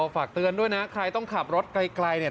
ฝากเตือนด้วยนะใครต้องขับรถไกลเนี่ย